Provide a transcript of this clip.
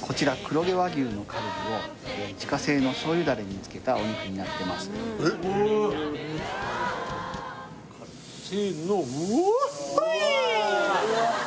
こちら黒毛和牛のカルビを自家製の醤油ダレに漬けたお肉になってますせーのウォッホイ！